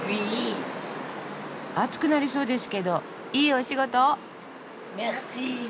暑くなりそうですけどいいお仕事を！